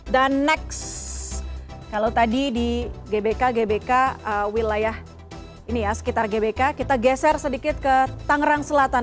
dan next kalau tadi di gbk gbk wilayah ini ya sekitar gbk kita geser sedikit ke tangerang selatan